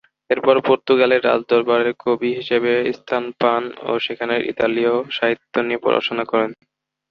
এরপর পর্তুগালের রাজদরবারের কবি হিসেবে স্থান পান ও সেখানে ইতালীয় সাহিত্য নিয়ে পড়াশোনা করেন।